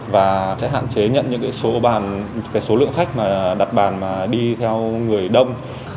và sẽ hạn chế nhận những số bàn số lượng khách đặt bàn mà đi theo người đông